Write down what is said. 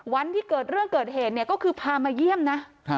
วันที่เกิดเรื่องเกิดเหตุเนี่ยก็คือพามาเยี่ยมนะ